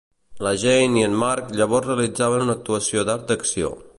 La Jane i en Marc llavors realitzaven una actuació d'art d'acció.